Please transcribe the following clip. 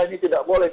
ini tidak boleh